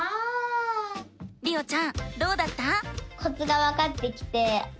りおちゃんどうだった？